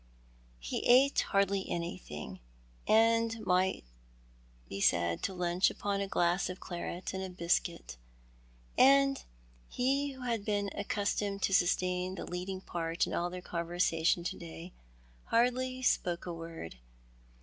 He ate hardly anything, and might be said to lunch upon a glass of claret and a biscuit — and he who had been accustomed to sustain the leading part in all their conversation to day hardly spoke a word.